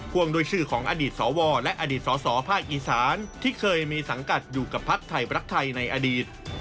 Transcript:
วงด้วยชื่อของอดีตสวและอดีตสสภาคอีสานที่เคยมีสังกัดอยู่กับภักดิ์ไทยรักไทยในอดีต